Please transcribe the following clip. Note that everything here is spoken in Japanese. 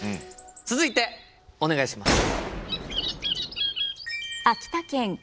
続いてお願いします。